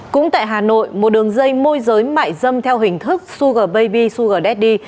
cũng tại hà nội một đường dây môi giới mại dâm theo hình thức sugar baby sugar daddy